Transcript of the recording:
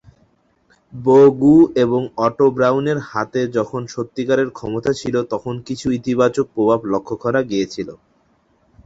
বো গু এবং অটো ব্রাউন এর হাতে যখন সত্যিকারের ক্ষমতা ছিল তখন কিছু ইতিবাচক প্রভাব লক্ষ্য করা গিয়েছিলো।